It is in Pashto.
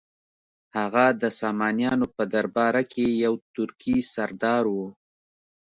هغه د سامانیانو په درباره کې یو ترکي سردار و.